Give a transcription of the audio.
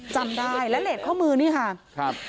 จำได้และเลสข้อมือนี่ค่ะครับ